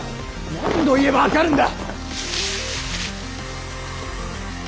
何度言えば分かるんだ！